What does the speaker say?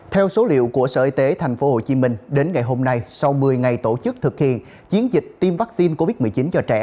theo số liệu của sở y tế tp hcm đến ngày hôm nay sau một mươi ngày tổ chức thực hiện chiến dịch tiêm vaccine covid một mươi chín cho trẻ